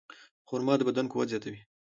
خرما د بدن قوت زیاتوي.